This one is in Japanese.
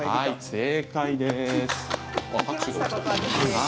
正解です。